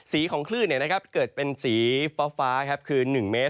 ของคลื่นเกิดเป็นสีฟ้าคือ๑เมตร